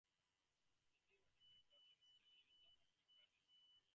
The new Atari Corporation initially used the Atarisoft brand as well.